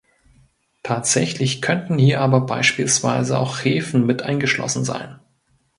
Tatsächlich könnten hier aber beispielsweise auch Hefen mit eingeschlossen sein.